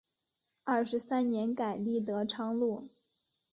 二十三年改隶德昌路。